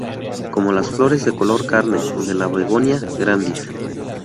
Como las flores de color carne de la Begonia grandis.